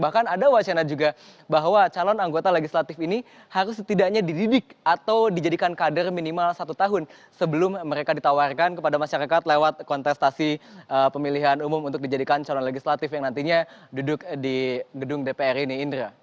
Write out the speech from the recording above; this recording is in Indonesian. bahkan ada wacana juga bahwa calon anggota legislatif ini harus setidaknya dididik atau dijadikan kader minimal satu tahun sebelum mereka ditawarkan kepada masyarakat lewat kontestasi pemilihan umum untuk dijadikan calon legislatif yang nantinya duduk di gedung dpr ini indra